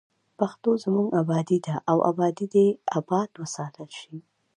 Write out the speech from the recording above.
پښتو زموږ ابادي ده او ابادي دې اباد وساتل شي.